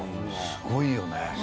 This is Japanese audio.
すごいよね。